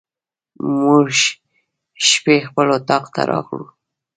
موږ شپې خپل اطاق ته راغلو.